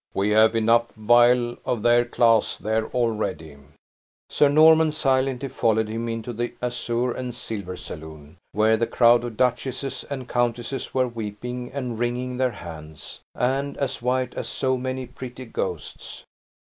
We have enough vile of their class there already." Sir Norman silently followed him into the azure and silver saloon, where the crowd of duchesses and countesses were "weeping and wringing their hands," and as white as so many pretty ghosts.